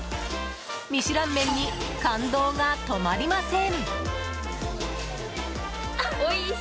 ミシュラン麺に感動が止まりません。